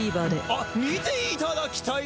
あっ見ていただきたい！